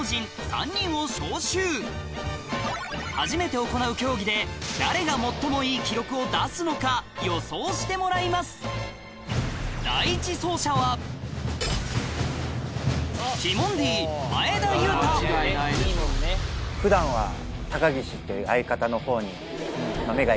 初めて行う競技で誰が最もいい記録を出すのか予想してもらいます普段は。